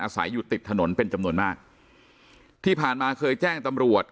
อาศัยอยู่ติดถนนเป็นจำนวนมากที่ผ่านมาเคยแจ้งตำรวจ